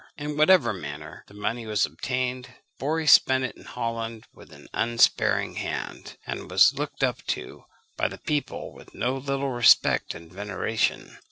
In whatever manner the money was obtained, Borri spent it in Holland with an unsparing hand, and was looked up to by the people with no little respect and veneration.